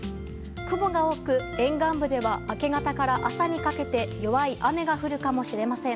雲が多く、沿岸部では明け方から朝にかけて弱い雨が降るかもしれません。